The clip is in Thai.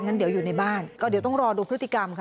งั้นเดี๋ยวอยู่ในบ้านก็เดี๋ยวต้องรอดูพฤติกรรมค่ะ